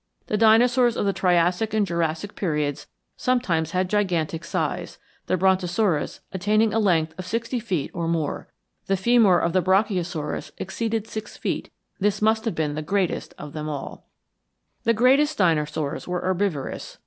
The dinosaurs of the Triassic and Jurassic periods sometimes had gigantic size, the Brontosaurus attaining a length of sixty feet or more. The femur of the Brachiosaurus exceeded six feet; this must have been the greatest of them all. The greater dinosaurs were herbivorous.